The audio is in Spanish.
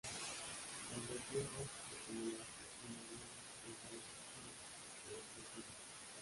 Tanto Jumbo como Easy inauguran sucursales en Chile y en Argentina.